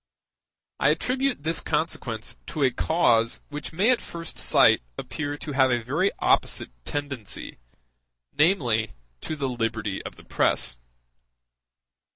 I attribute this consequence to a cause which may at first sight appear to have a very opposite tendency, namely, to the liberty of the press.